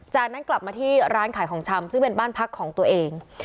จากนั้นกลับมาที่ร้านขายของชำซึ่งเป็นบ้านพักของตัวเอง